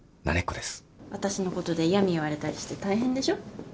私のことで嫌み言われたりして大変でしょ？